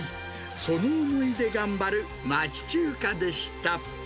その思いで頑張る町中華でした。